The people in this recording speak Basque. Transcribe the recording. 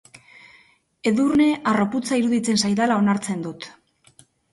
Edurne harroputza iruditzen zaidala onartzen dut.